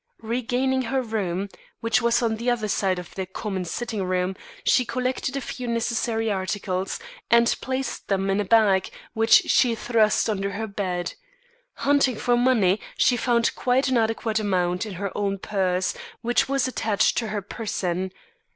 Regaining her own room, which was on the other side of their common sitting room, she collected a few necessary articles, and placed them in a bag which she thrust under her bed. Hunting for money, she found quite an adequate amount in her own purse, which was attached to her person.